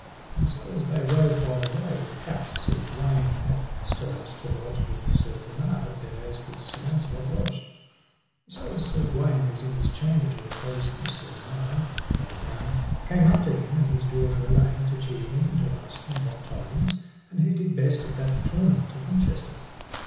And so as they rode by the way it happed Sir Gawaine at Astolat to lodge with Sir Bernard thereas was Sir Launcelot lodged. And so as Sir Gawaine was in his chamber to repose him Sir Bernard, the old baron, came unto him, and his daughter Elaine, to cheer him and to ask him what tidings, and who did best at that tournament of Winchester.